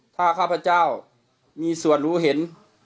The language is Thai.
ถ้าข้าพเจ้ามีส่วนรู้เห็น